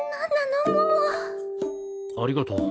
ありがとう。